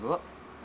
nah sudah kamu ya